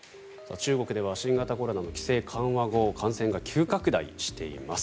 中国では新型コロナの規制緩和後感染が急拡大しています。